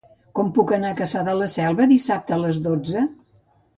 Com puc anar a Cassà de la Selva dissabte a les dotze?